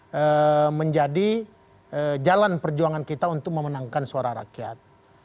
jadi ini menjadi jalan perjuangan kita untuk memenangkan suara rakyat